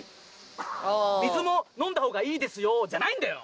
ああ水も飲んだ方がいいですよじゃないんだよ